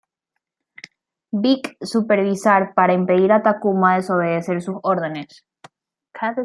Big supervisar para impedir a Takuma desobedecer sus órdenes.